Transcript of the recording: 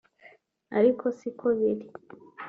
ariko si ko biri